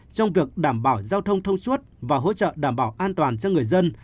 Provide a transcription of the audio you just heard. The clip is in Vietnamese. trong việc đảm bảo giao thông thông suốt và hỗ trợ đảm bảo an toàn cho người dân